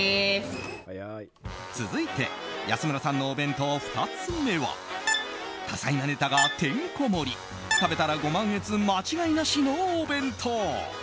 続いて、安村さんのお弁当２つ目は多彩なネタがてんこ盛り食べたらご満悦間違いなしのお弁当。